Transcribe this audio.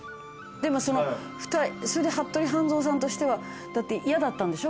でもそれで服部半蔵さんとしては嫌だったんでしょ？